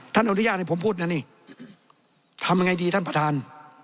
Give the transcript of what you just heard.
อนุญาตให้ผมพูดนะนี่ทำยังไงดีท่านประธาน